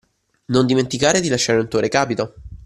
Non dimenticare di lasciare un tuo recapito